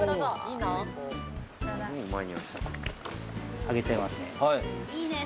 揚げちゃいますね。